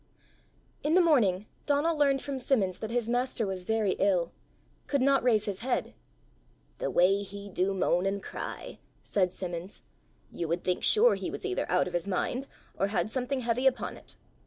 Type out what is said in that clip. In the morning Donal learned from Simmons that his master was very ill could not raise his head. "The way he do moan and cry!" said Simmons. "You would think sure he was either out of his mind, or had something heavy upon it!